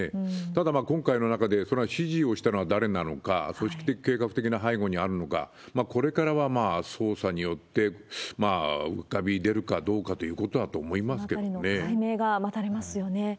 ただ、今回の中でその指示をしたのは誰なのか、組織的、計画的な背後にあるのか、これからは捜査によって浮かび出るかどうかということだと思いま解明が待たれますよね。